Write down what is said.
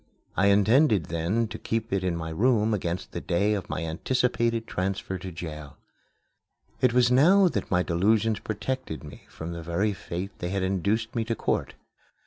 I intended then to keep it in my room against the day of my anticipated transfer to jail. It was now that my delusions protected me from the very fate they had induced me to court.